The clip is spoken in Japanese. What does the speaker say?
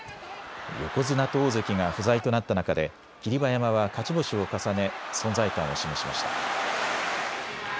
横綱と大関が不在となった中で霧馬山は勝ち星を重ね存在感を示しました。